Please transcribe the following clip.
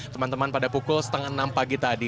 teman teman pada pukul setengah enam pagi tadi